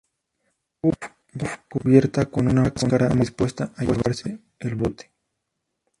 Puff llega cubierta con una máscara, dispuesta a llevarse el bote.